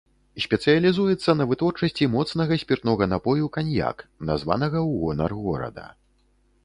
Спецыялізуецца на вытворчасці моцнага спіртнога напою каньяк, названага ў гонар горада.